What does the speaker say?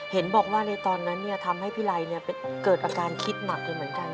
เห็นบอกว่าในตอนนั้นทำให้พี่ไรเกิดอาการคิดหนักเลยเหมือนกัน